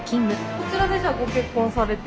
こちらでご結婚されて？